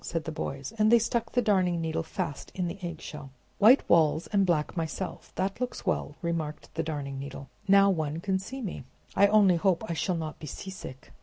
said the boys; and they stuck the Darning Needle fast in the eggshell. "White walls, and black myself! that looks well," remarked the Darning Needle. "Now one can see me. I only hope I shall not be seasick!"